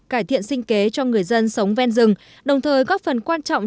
cải thiện sinh kế cho người dân sống ven rừng đồng thời góp phần quan trọng